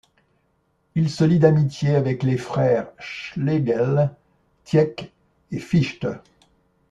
Il se lie d'amitié avec les frères Schlegel, Tieck et Fichte.